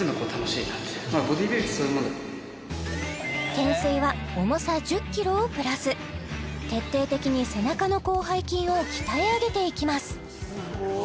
懸垂は重さ１０ｋｇをプラス徹底的に背中の広背筋を鍛え上げていきます